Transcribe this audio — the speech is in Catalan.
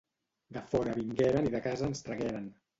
De fora vingueren i de casa ens tragueren